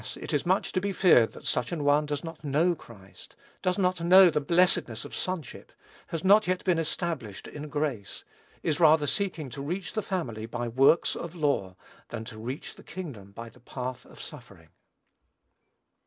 it is much to be feared that such an one does not know Christ; does not know the blessedness of sonship; has not yet been established in grace; is rather seeking to reach the family by works of law, than to reach the kingdom by the path of suffering.